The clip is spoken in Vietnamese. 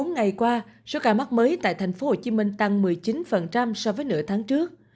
một mươi bốn ngày qua số ca mắc mới tại thành phố hồ chí minh tăng một mươi chín so với nửa tháng trước